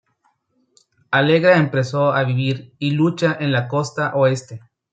Allegra empezó a vivir y lucha en la costa oeste.